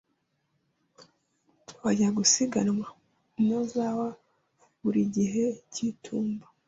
Bajya gusiganwa i Nozawa buri gihe cy'itumba.